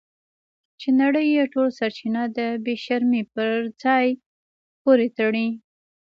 چې نړۍ یې ټول سرچینه د بې شرمۍ په ځای پورې تړي.